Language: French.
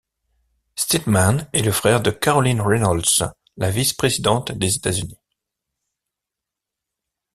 Steadman est le frère de Caroline Reynolds, la Vice-Presidente des États-Unis.